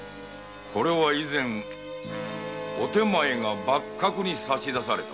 これは以前お手前が幕閣に差し出されたもの。